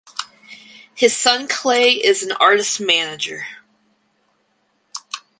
His son Clay is an artist manager.